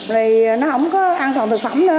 thì nó không có an toàn thực phẩm nữa